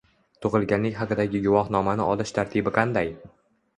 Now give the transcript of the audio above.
Tug‘ilganlik haqidagi guvohnomani olish tartibi qanday?